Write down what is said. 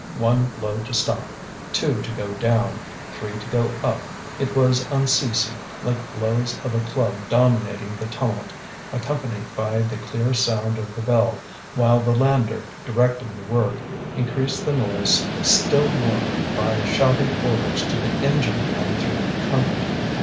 One blow to stop, two to go down, three to go up; it was unceasing, like blows of a club dominating the tumult, accompanied by the clear sound of the bell; while the lander, directing the work, increased the noise still more by shouting orders to the engine man through a trumpet.